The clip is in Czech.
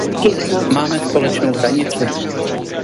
Máme společnou hranici.